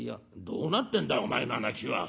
「どうなってんだお前の話は」。